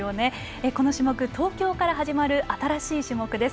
この種目、東京から始まる新しい種目です。